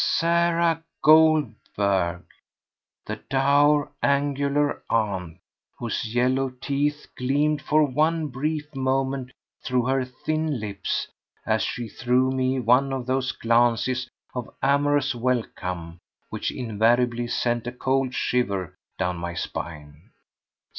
Sarah Goldberg, the dour, angular aunt, whose yellow teeth gleamed for one brief moment through her thin lips as she threw me one of those glances of amorous welcome which invariably sent a cold shiver down my spine.